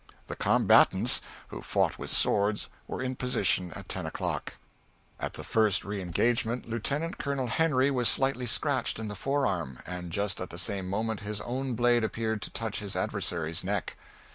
The combatants, who fought with swords, were in position at ten o'clock. "At the first reengagement Lieutenant Colonel Henry was slightly scratched in the fore arm, and just at the same moment his own blade appeared to touch his adversary's neck.